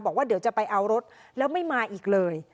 บอกว่าเดี๋ยวจะไปเอารถแล้วไม่มาอีกเลย